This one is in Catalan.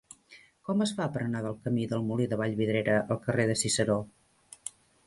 Com es fa per anar de la camí del Molí de Vallvidrera al carrer de Ciceró?